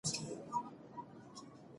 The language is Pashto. هغه د کمزورو غږ اورېده.